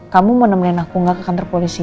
kamu mau nemenin aku nggak ke kantor polisi